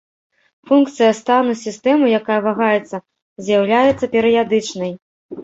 Функцыя стану сістэмы, якая вагаецца, з'яўляецца перыядычнай.